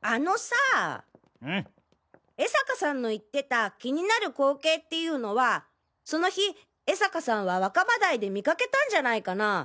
江坂さんの言ってた気になる光景っていうのはその日江坂さんは若葉台で見かけたんじゃないかな。